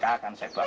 makanya si berisik